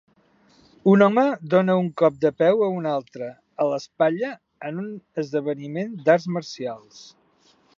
Un home dona un cop de peu a un altre a l'espatlla en un esdeveniment d'arts marcials